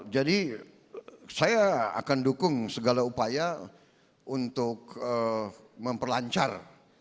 jadi saya akan dukung segala upaya untuk memperlancar